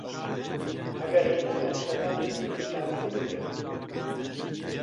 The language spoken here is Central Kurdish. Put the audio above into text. ئەگە هینایان سەلامی کرد و تەعزیمی کرد؟